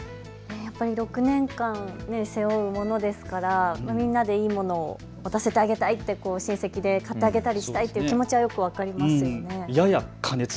やっぱり６年間、背負うものですからみんなでいいものを持たせてあげたいと、親戚で買ってあげたりしたいという気持ちはよく分かります。